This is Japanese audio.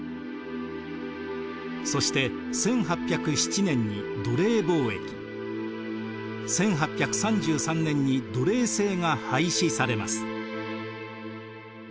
そして１８０７年に奴隷貿易１８３３年に奴隷制が廃止されます。